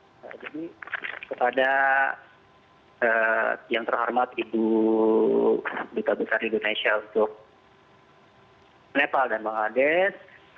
jadi kepada yang terhormat ibu bukaburkan indonesia untuk nepal dan bangladesh